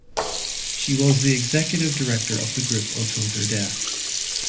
She was the executive director of the group until her death.